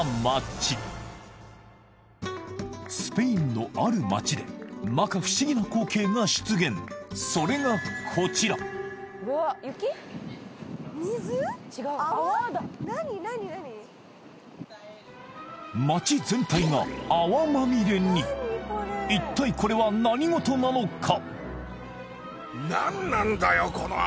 スペインのある街で摩訶不思議な光景が出現それがこちら街全体が泡まみれに一体これは何事なのか？